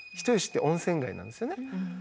人吉って温泉街なんですよね。